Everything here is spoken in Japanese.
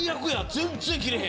全然切れへん。